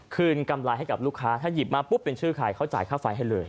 กำไรให้กับลูกค้าถ้าหยิบมาปุ๊บเป็นชื่อใครเขาจ่ายค่าไฟให้เลย